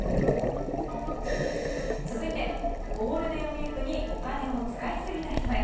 続いてゴールデンウィークにお金を使いすぎた人へ。